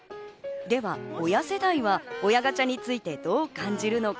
では、親世代は親ガチャについてどう感じるのか。